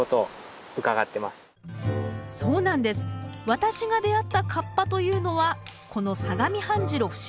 私が出会った河童というのはこの相模半白節